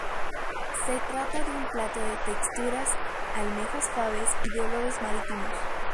Se trata de un plato de texturas: almejas-fabes y de olores marítimos.